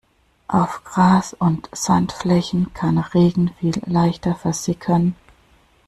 Auf Gras- und Sandflächen kann Regen viel leichter versickern.